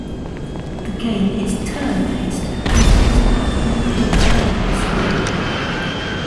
The game is turn-based and takes part on a gridded playing screen.